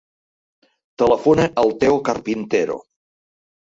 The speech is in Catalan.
Telefona al Theo Carpintero.